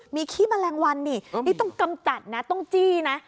มีขี้แมลงวันนี่นี่ต้องกำจัดนะต้องจี้นะ